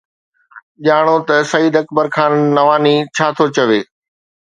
ڄاڻو ته سعيد اڪبر خان نواني ڇا ٿو چوي